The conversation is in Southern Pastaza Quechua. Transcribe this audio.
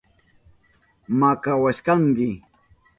Makawashkanki.